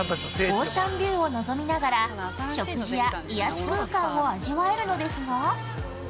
オーシャンビューを望みながら、食事や癒やし空間を味わえるのですが。